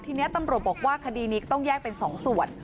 ทีนี้ตำรวจบอกว่าคดีนี้ก็ต้องแยกเป็น๒ส่วน